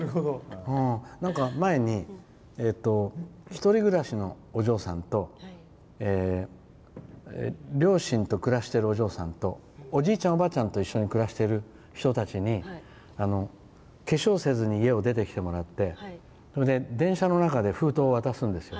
なんか、前に１人暮らしのお嬢さんと両親と暮らしているお嬢さんとおじいちゃん、おばあちゃんと一緒に暮らしている人たちに化粧せずに家を出てきてもらって電車の中で封筒を渡すんですよ。